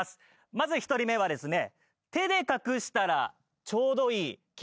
まず１人目はですね。